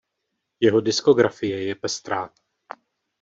Jeho diskografie je pestrá.